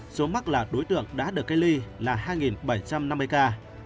số mắc là đối tượng đã được cách ly là hai bảy trăm năm mươi ca